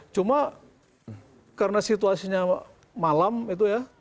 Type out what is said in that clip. cuma karena situasinya malam itu ya